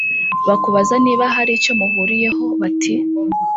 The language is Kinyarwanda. bakubaza niba hari icyo muhuriyeho; bati